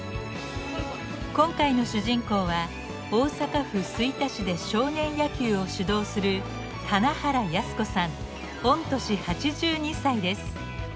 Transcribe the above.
今回の主人公は大阪府吹田市で少年野球を指導する御年８２歳です。